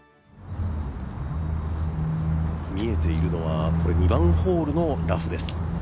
見えているのは２番ホールのラフです。